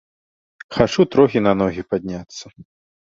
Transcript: Хачу трохі на ногі падняцца.